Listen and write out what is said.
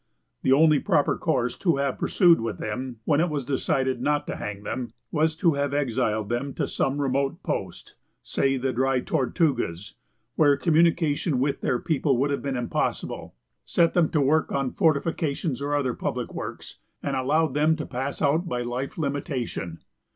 The only proper course to have pursued with them, when it was decided not to hang them, was to have exiled them to some remote post, say, the Dry Tortugas, where communication with their people would have been impossible, set them to work on fortifications or other public works, and allowed them to pass out by life limitation.